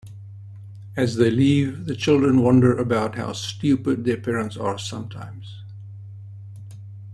As they leave, the children wonder about how stupid their parents are sometimes.